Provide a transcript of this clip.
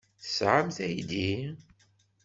Tesɛamt aydi?